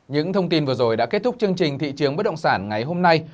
những thông tin vừa rồi đã kết thúc chương trình thị trường bất động sản ngày hôm nay